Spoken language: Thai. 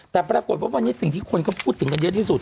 แต่ปรากฏว่าวันนี้สิ่งที่คนก็พูดถึงกันเยอะที่สุด